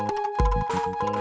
sampai jumpa lagi